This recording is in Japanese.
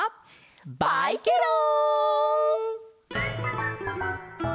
バイケロン！